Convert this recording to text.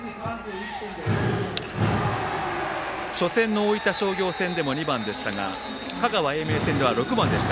初戦の大分商業戦でも２番でしたが香川・英明戦では６番でした。